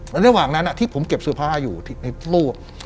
ระหว่างนั้นที่ผมเก็บเสื้อผ้าอยู่ในตู้